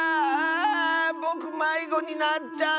ぼくまいごになっちゃった！